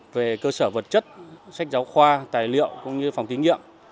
về cơ sở vật chất sách giáo khoa tài liệu cũng như phòng thí nghiệm